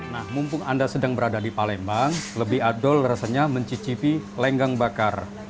nah mumpung anda sedang berada di palembang lebih adol rasanya mencicipi lenggang bakar